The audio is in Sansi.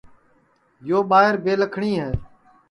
یو ٻائیر بے لکھٹؔی ہے